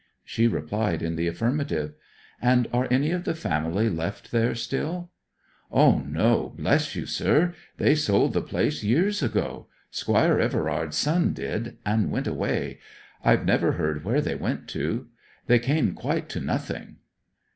She replied in the affirmative. 'And are any of the family left there still?' 'O no, bless you, sir! They sold the place years ago Squire Everard's son did and went away. I've never heard where they went to. They came quite to nothing.'